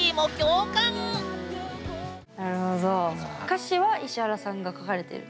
歌詞は石原さんが書かれてる。